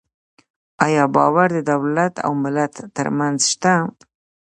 آیا باور د دولت او ملت ترمنځ شته؟